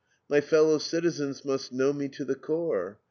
My fellow citizens must know me to the core.